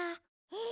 え！